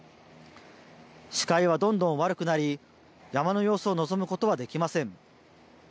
視界はどんどん悪くなり山の様子を望むことはできません。